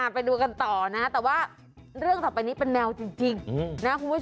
ไปดูกันต่อนะแต่ว่าเรื่องต่อไปนี้เป็นแมวจริง